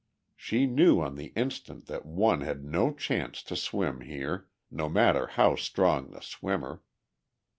She knew on the instant that one had no chance to swim here, no matter how strong the swimmer.